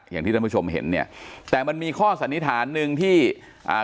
อย่างที่ท่านผู้ชมเห็นเนี่ยแต่มันมีข้อสันนิษฐานหนึ่งที่อ่า